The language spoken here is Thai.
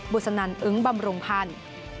สนันอึ้งบำรุงพันธ์